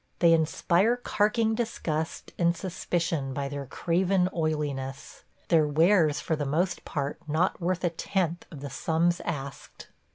They inspire carking disgust and suspicion by their craven oiliness; their wares for the most part not worth a tenth of the sums asked.